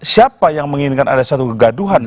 siapa yang menginginkan ada satu kegaduhan